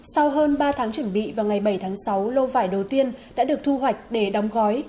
sau hơn ba tháng chuẩn bị vào ngày bảy tháng sáu lô vải đầu tiên đã được thu hoạch để đóng gói